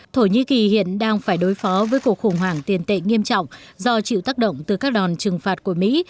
thổ nhĩ kỳ hiện đang phải đối phó với cuộc khủng hoảng tiền tệ nghiêm trọng do chịu tác động từ các đòn trừng phạt của mỹ